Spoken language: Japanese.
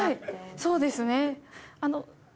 そうですねあの。